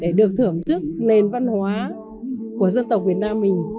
để được thưởng thức nền văn hóa của dân tộc việt nam mình